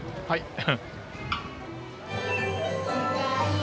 はい。